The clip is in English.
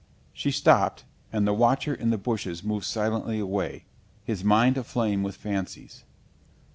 ... She stopped, and the watcher in the bushes moved silently away, his mind aflame with fancies.